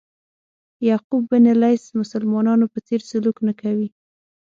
یعقوب بن لیث مسلمانانو په څېر سلوک نه کوي.